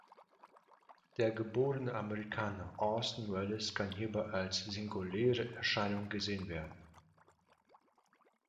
Der geborene Amerikaner Orson Welles kann hierbei als singuläre Erscheinung gesehen werden.